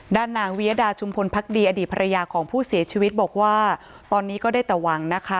ด้านนางวิยดาชุมพลพักดีอดีตภรรยาของผู้เสียชีวิตบอกว่าตอนนี้ก็ได้แต่หวังนะคะ